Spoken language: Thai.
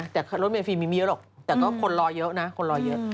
แต่รถเมฟรีมีไม่เยอะหรอกแต่ก็คนรอเยอะนะคนรอเยอะ